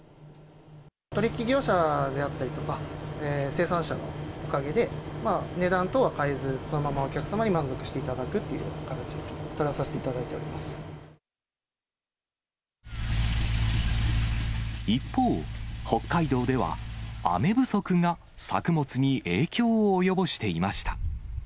取り引き業者であったりとか、生産者のおかげで、値段等は変えず、そのままお客様に満足していただくっていう形を取らさせていただ一方、北海道では雨不足が作物に影響を及ぼしていました。